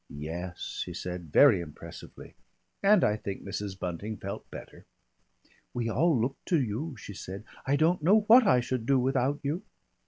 "Yes," he said very impressively, and I think Mrs. Bunting felt better. "We all look to you," she said. "I don't know what I should do without you."